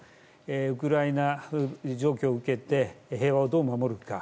ウクライナ状況を受けて平和をどう守るか。